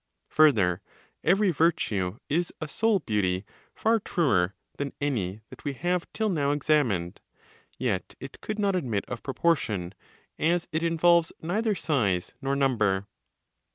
Further, every virtue is a soul beauty far truer than any that we have till now examined; yet it could not admit of proportion, as it involves neither size nor number.